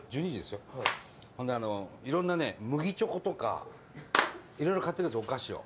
それで、いろんなね麦チョコとか、いろいろ買っていくんですよ、お菓子を。